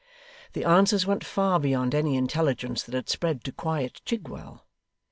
The answers went far beyond any intelligence that had spread to quiet Chigwell.